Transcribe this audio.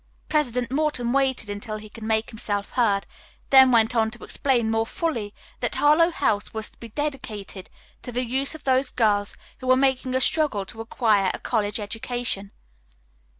President Morton waited until he could make himself heard, then went on to explain more fully that Harlowe House was to be dedicated to the use of those girls who were making a struggle to acquire a college education.